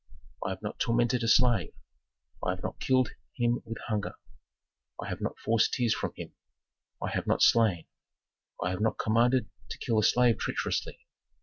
I have not tormented a slave. I have not killed him with hunger. I have not forced tears from him. I have not slain. I have not commanded to kill a slave treacherously.